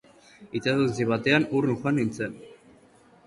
Itsasontzi batean urrun joan nintzen.